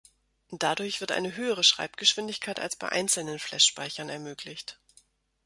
Dadurch wird eine höhere Schreibgeschwindigkeit als bei einzelnen Flash-Speichern ermöglicht.